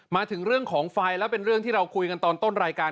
มาถึงเรื่องของไฟแล้วเป็นเรื่องที่เราคุยกันตอนต้นรายการ